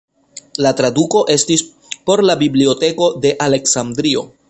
La traduko estis por la Biblioteko de Aleksandrio.